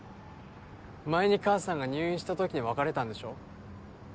前に母さんが入院したときに別れたんでしょ？